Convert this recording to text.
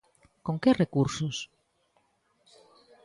¿Con que recursos?